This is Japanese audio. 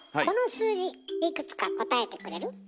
この数字いくつか答えてくれる？